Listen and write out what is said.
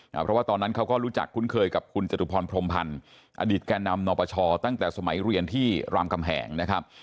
เพราะว่าตอนนั้นเขาก็รู้จักคุ้นเคยกับคุณจตุพรพรมพันธ์อดีตแก่นำนปชตั้งแต่สมัยเรียนที่รามกำแหงนะครับ